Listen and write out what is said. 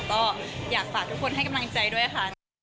ก็อยากฝากทุกคนให้กำลังใจด้วยค่ะ